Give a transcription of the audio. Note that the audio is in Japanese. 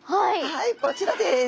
はいこちらです。